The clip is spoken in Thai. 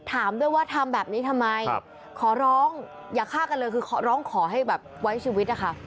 ถามด้วยว่าทำแบบนี้ทำไมขอร้องอย่าฆ่ากันเลยคือขอร้องขอให้แบบไว้ชีวิตนะคะ